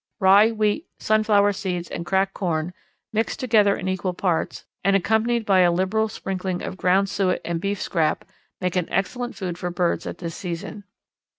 Rye, wheat, sunflower seeds, and cracked corn, mixed together in equal parts and accompanied by a liberal sprinkling of ground suet and beef scrap, make an excellent food for birds at this season.